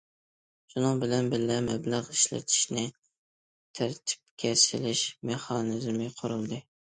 شۇنىڭ بىلەن بىللە، مەبلەغ ئىشلىتىشنى تەرتىپكە سېلىش مېخانىزمى قۇرۇلدى.